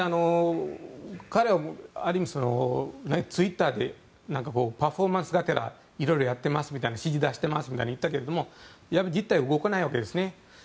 彼はツイッターでパフォーマンスがてら色々やってますみたいな指示を出してますみたいに言ったけれども実態は動かないわけですね。